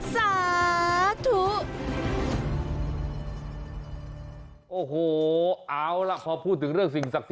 สาธุ